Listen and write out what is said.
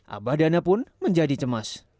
abah dana pun menjadi cemas